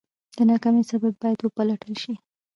د ناکامۍ سبب باید وپلټل شي.